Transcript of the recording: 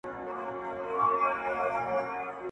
شېرينې ستا د مينې زور به په زړگي کي وړمه_